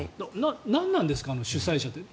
何なんですか、あの主催者って。